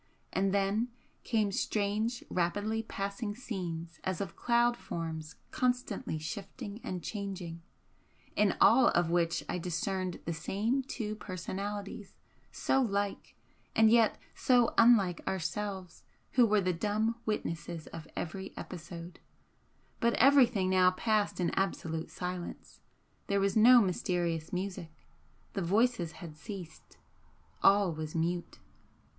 And then came strange rapidly passing scenes as of cloud forms constantly shifting and changing, in all of which I discerned the same two personalities so like and yet so unlike ourselves who were the dumb witnesses of every episode, but everything now passed in absolute silence there was no mysterious music, the voices had ceased all was mute.